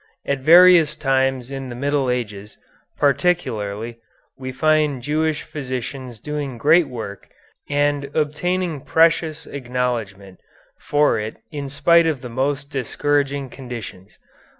At various times in the early Middle Ages, particularly, we find Jewish physicians doing great work and obtaining precious acknowledgment for it in spite of the most discouraging conditions.